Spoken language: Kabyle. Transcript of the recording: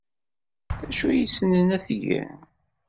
D acu ay ssnen ad t-gen?